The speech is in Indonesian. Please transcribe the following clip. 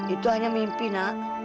itu hanya mimpi nak